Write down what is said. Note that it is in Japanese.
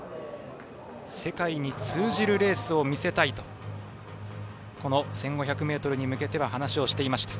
世界に通じるレースを見せたいとこの１５００ｍに向けて話をしていました。